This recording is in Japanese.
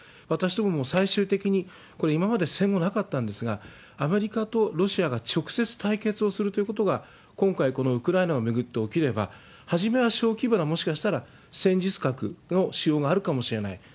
私どもも最終的にこれ、今まで戦後なかったんですが、アメリカとロシアが直接対決をするということが、今回、このウクライナを巡って起きれば、初めは小規模な、もしかしたら戦術核の使用があるかもしれない。